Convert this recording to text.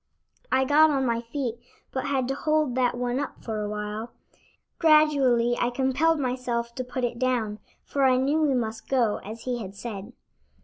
I got on my feet, but had to hold that one up for awhile. Gradually I compelled myself to put it down, for I knew we must go, as he had said.